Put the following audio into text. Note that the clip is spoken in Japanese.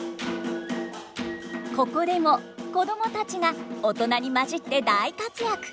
ここでも子どもたちが大人に交じって大活躍。